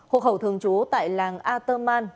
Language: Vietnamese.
hộ khẩu thường trú tại làng a tơ man